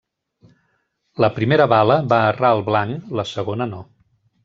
La primera bala va errar el blanc, la segona no.